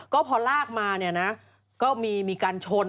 ก็พอลากมาก็มีการชน